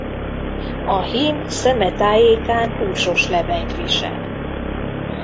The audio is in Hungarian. A hím szeme tájékán húsos lebenyt visel.